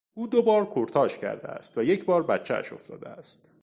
او دوبار کورتاژ کرده است و یک بار بچهاش افتاده است.